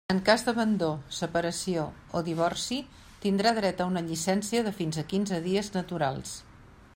En cas d'abandó, separació o divorci, tindrà dret a una llicència de fins a quinze dies naturals.